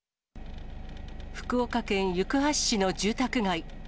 福岡県行橋市の住宅街。